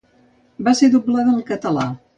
Va ser doblada al català.